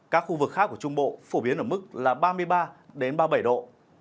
các khu vực khác của trung bộ phổ biến ở mức là ba mươi ba ba mươi bảy độ